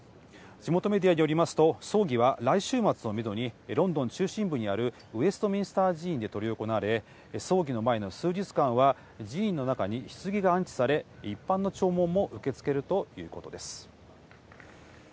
地元メディアによりますと、葬儀は来週末をメドに、ロンドン中心部にあるウエストミンスター寺院で執り行われ、葬儀の前の数日間は、寺院の中にひつぎが安置され、一般の弔問も受け付けるというこ